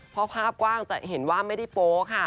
เพราะภาพกว้างจะเห็นว่าไม่ได้โป๊ค่ะ